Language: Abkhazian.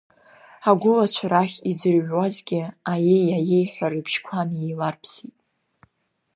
Агәылацәа рахь иӡырҩуазгьы, аиеи, аиеи ҳәа рыбжьқәа неиларԥсеит.